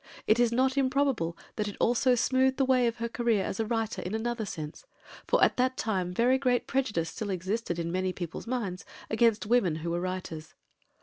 It is not improbable that it also smoothed the way of her career as a writer in another sense; for at that time very great prejudice still existed in many people's minds against women who were writers.